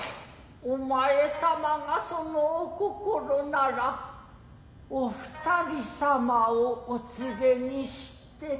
お前さまがそのお心ならお二人様をお連れにして。